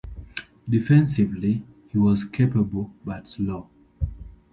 Defensively, he was capable but slow.